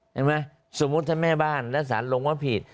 เห็นไหมสมมุติถ้าแม่บ้านและสารลงว่าผิด